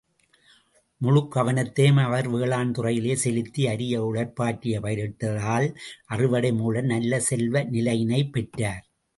முழுக்கவனத்தையும் அவர் வேளாண்துறையிலே செலுத்தி, அரிய உழைப்பாற்றிப் பயிரிட்டதால், அறுவடை மூலம், நல்ல செல்வ நிலையினைப் பெற்றார்.